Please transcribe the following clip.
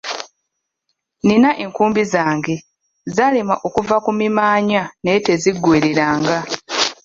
Nina enkumbi zange zaalima okuva ku mimaanya naye teziggwereranga.